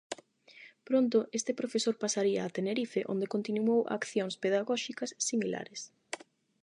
Pronto este profesor pasaría a Tenerife onde continuou accións pedagóxicas similares.